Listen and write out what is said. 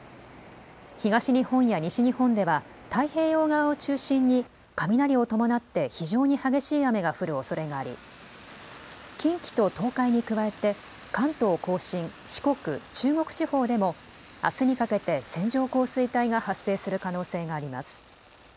東日本や西日本では、太平洋側を中心に雷を伴って非常に激しい雨が降るおそれがあり、近畿と東海に加えて、関東甲信、四国、中国地方でも、あすにかけて線状降水帯が発生する可能性があります。